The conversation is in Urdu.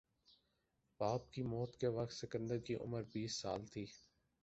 باپ کی موت کے وقت سکندر کی عمر بیس سال تھی